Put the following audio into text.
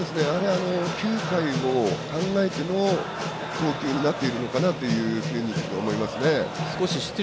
９回を考えての投球になっているのかなと思いますね。